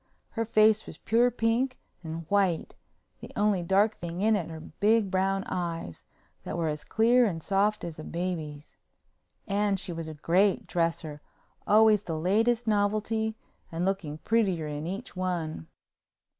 Her face was pure pink and white, the only dark thing in it her big brown eyes, that were as clear and soft as a baby's. And she was a great dresser, always the latest novelty, and looking prettier in each one.